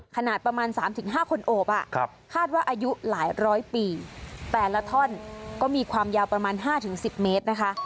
ขนาดประมาณ๓๕คนโอบคาดว่าอายุหลายร้อยปีแต่ละท่อนก็มีความยาวประมาณ๕๑๐เมตรนะคะ